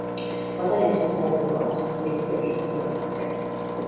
But then it took more than what we expected it was gonna take.